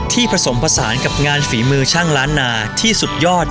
ผสมผสานกับงานฝีมือช่างล้านนาที่สุดยอด